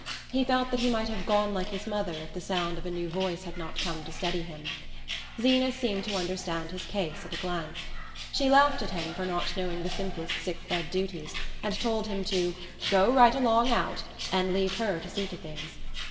He felt that he might have "gone like his mother" if the sound of a new voice had not come to steady him. Zeena seemed to understand his case at a glance. She laughed at him for not knowing the simplest sick bed duties and told him to "go right along out" and leave her to see to things.